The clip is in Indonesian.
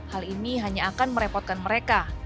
hal ini hanya akan merepotkan mereka